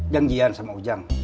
janggian sama ujang